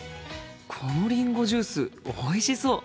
このりんごジュースおいしそう。